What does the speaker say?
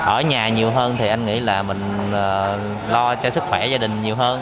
ở nhà nhiều hơn thì anh nghĩ là mình lo cho sức khỏe gia đình nhiều hơn